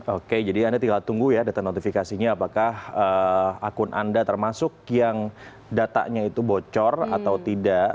oke jadi anda tinggal tunggu ya data notifikasinya apakah akun anda termasuk yang datanya itu bocor atau tidak